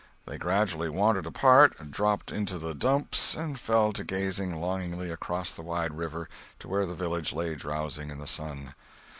They gradually wandered apart, dropped into the "dumps," and fell to gazing longingly across the wide river to where the village lay drowsing in the sun.